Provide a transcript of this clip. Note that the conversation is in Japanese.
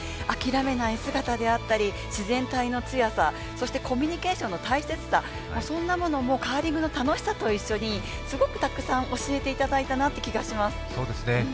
諦めない姿であったり自然体の強さそして、コミュニケーションの大切さ、そんなものをカーリングの楽しさと一緒にすごくたくさん教えていただいたなっていう気がします。